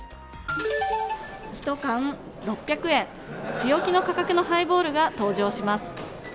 １缶６００円、強気の価格のハイボールが登場します。